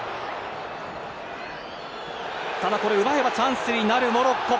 奪えばチャンスになるモロッコ。